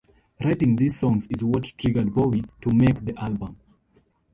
Writing these songs is what triggered Bowie to make the album.